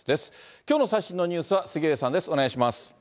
きょうの最新のニュースは杉上さんです。